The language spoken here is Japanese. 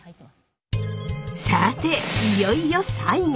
さていよいよ最後！